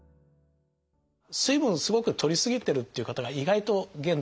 水分すごくとりすぎてるっていう方が意外と現代多いですね。